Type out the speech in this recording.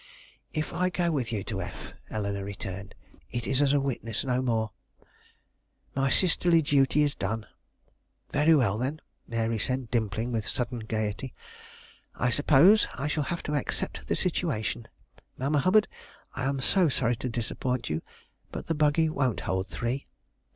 "If I go with you to F ," Eleanore returned, "it is as a witness, no more. My sisterly duty is done." "Very well, then," Mary said, dimpling with sudden gayety; "I suppose I shall have to accept the situation. Mamma Hubbard, I am so sorry to disappoint you, but the buggy won't hold three.